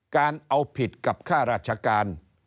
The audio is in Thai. การเอาผิดกับค่าราชการ